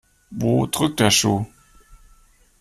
Wo drückt der Schuh?